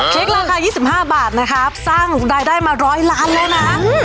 เก็กราคา๒๕บาทสร้างรายได้มา๑๐๐ล้านแล้วนะ